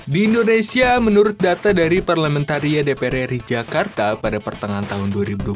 di indonesia menurut data dari parlementaria dpr ri jakarta pada pertengahan tahun dua ribu dua puluh